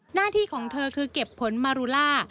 หน้าที่ของเธอคือเก็บผลมารูล่า